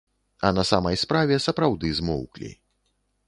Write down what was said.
А на самай справе, сапраўды змоўклі.